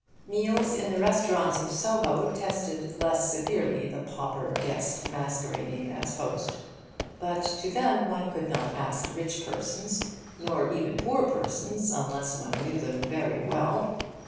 Meals in the restaurants of Soho tested less severely the pauper guest masquerading as host. But to them one could not ask rich persons nor even poor persons unless one knew them very well.